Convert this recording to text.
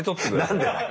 何でだよ。